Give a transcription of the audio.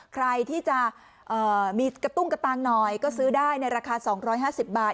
ใครที่จะมีกระตุ้งกระตังหน่อยก็ซื้อได้ในราคา๒๕๐บาท